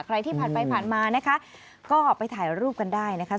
ใครที่ผ่านไปผ่านมานะคะก็ไปถ่ายรูปกันได้นะคะ